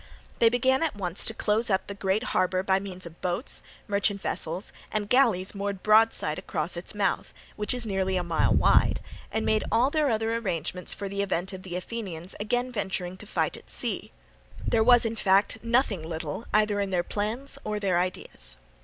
They began at once to close up the Great Harbour by means of boats, merchant vessels, and galleys moored broadside across its mouth, which is nearly a mile wide, and made all their other arrangements for the event of the Athenians again venturing to fight at sea. There was, in fact, nothing little either in their plans or their ideas.